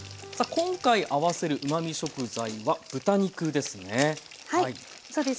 今回合わせるうまみ食材は豚肉ですね。